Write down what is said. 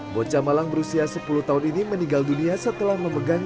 bocah malang berusia sepuluh tahun ini meninggal dunia setelah memegang